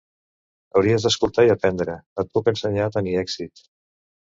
Hauries d'escoltar i aprendre. Et puc ensenyar a tenir èxit